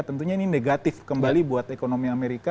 tentunya ini negatif kembali buat ekonomi amerika